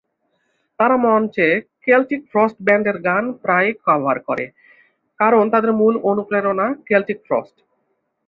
তারা মঞ্চে Celtic Frost ব্যান্ডের গান প্রায়ই কভার করে কারণ তাদের মূল অনুপ্রেরণা কেল্টিক ফ্রস্ট।